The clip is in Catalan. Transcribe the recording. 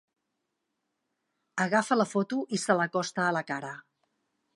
Agafa la foto i se l'acosta a la cara.